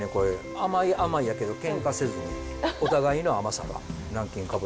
甘い甘いやけどケンカせずにお互いの甘さが南京かぼちゃ。